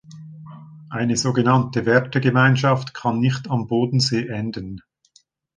Eine sogenannte Wertegemeinschaft kann nicht am Bodensee enden.